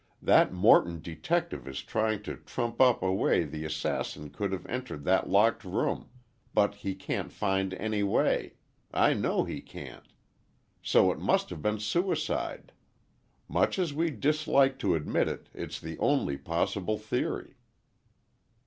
That Morton detective is trying to trump up a way the assassin could have entered that locked room—but he can't find any way. I know he can't. So it must have been suicide. Much as we dislike to admit it, it is the only possible theory."